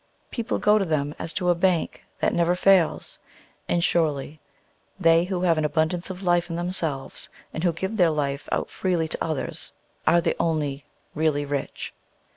People go to them as to a bank that never fails. And surely, they who have an abundance of life in themselves and who give their life out freely to others are the only really rich.